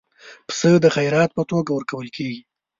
پسه د خیرات په توګه ورکول کېږي.